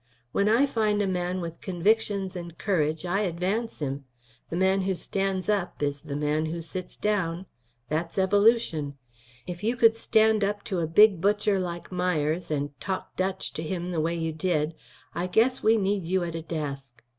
When I find a man with convictions and courage I advance him. The man who stands up is the man to sit down. That's evolution. If you could stand up to a big butcher like Myers and talk Dutch to him the way you did, I guess we need you at a desk.